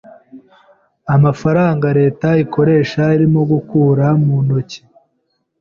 Amafaranga leta ikoresha irimo gukura mu ntoki.